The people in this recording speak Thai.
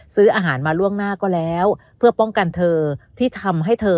ซื้ออาหารมาล่วงหน้าก็แล้วเพื่อป้องกันเธอที่ทำให้เธอ